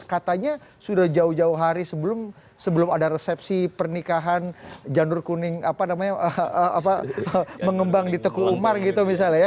katanya sudah jauh jauh hari sebelum ada resepsi pernikahan janur kuning apa namanya mengembang di teku umar gitu misalnya ya